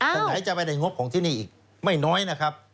ไหนจะไม่ได้งบของที่นี่อีกไม่น้อยนะครับ